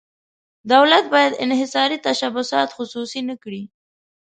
دولت باید انحصاري تشبثات خصوصي نه کړي.